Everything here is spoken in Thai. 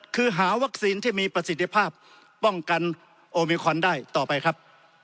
คือหาวัคซีนที่มีประสิทธิภาพป้องกันโอมิคอนได้ต่อไปครับ